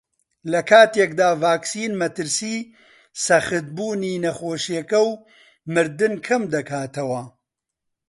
لەکاتێکدا ڤاکسین مەترسیی سەختبوونی نەخۆشییەکە و مردن کەمدەکاتەوە